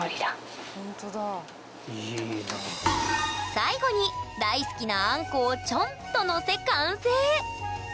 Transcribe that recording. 最後に大好きなあんこをチョンと載せ完成！